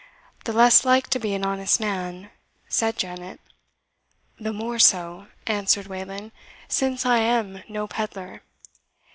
"The less like to be an honest man," said Janet. "The more so," answered Wayland, "since I am no pedlar."